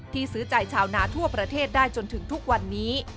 ซื้อใจชาวนาทั่วประเทศได้จนถึงทุกวันนี้